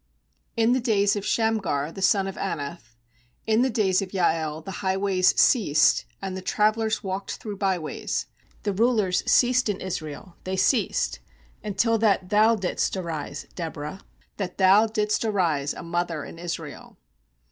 6In the days of Shamgar the son of Anath, In the days of Jael, the highways And the travellers walked through byways. v 7The rulers ceased in Israel, they Until that thou didst arise, Deborah, That thou didst arise a mother in Israel.